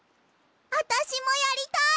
あたしもやりたい！